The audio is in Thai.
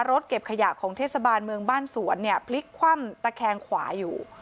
รถเก็บขยะของเทศบาลเมืองบ้านสวนเนี่ยพลิกคว่ำตะแคงขวาอยู่